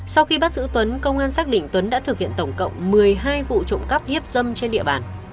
sau khi bắt giữ tuấn công an xác định tuấn đã thực hiện tổng cộng một mươi hai vụ trộm cắp hiếp dâm trên địa bàn